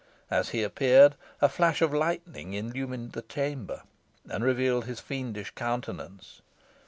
As he appeared, a flash of lightning illumined the chamber, and revealed his fiendish countenance.